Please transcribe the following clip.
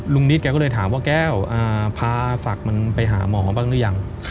ลุงศักดิ์นิสก็เลยถามว่าแก้วพาศักดิ์มันไปหาหมอของปะแก้วหรือยัง